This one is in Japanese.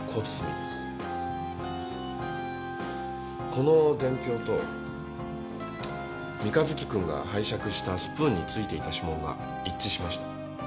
この伝票と三日月君が拝借したスプーンについていた指紋が一致しました。